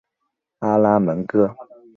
阿拉门戈。